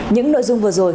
những nội dung vừa rồi